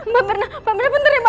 mbak mirna bentar ya